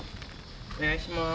お願いします。